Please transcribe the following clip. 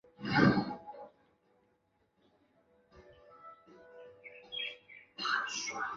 这样可以确保雷达波的一部分能量能够从微粒表面反射回雷达站所在方向。